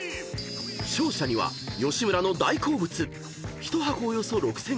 ［勝者には吉村の大好物１箱およそ６，０００円